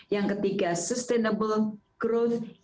yang ketiga kembang kesehatan